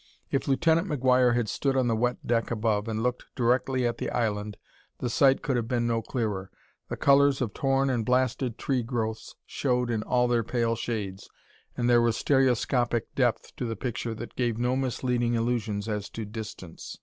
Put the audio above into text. If Lieutenant McGuire had stood on the wet deck above and looked directly at the island the sight could have been no clearer. The colors of torn and blasted tree growths showed in all their pale shades, and there was stereoscopic depth to the picture that gave no misleading illusions as to distance.